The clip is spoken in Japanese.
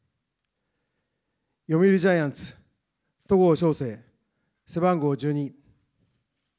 読売ジャイアンツ、戸郷翔征、背番号１２。